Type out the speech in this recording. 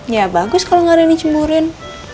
ya bagus kalo gak ada yang cemburuin